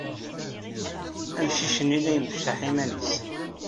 Amcic-nni la imecceḥ iman-nnes.